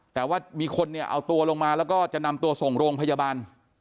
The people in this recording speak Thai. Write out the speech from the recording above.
แต่ว่ามีคนเนี่ยเอาตัวลงมาแล้วก็จะนำตัวส่งโรงพยาบาล